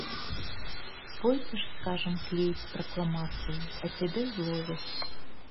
Пойдзеш, скажам, клеіць пракламацыі, а цябе зловяць.